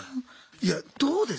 いやどうです？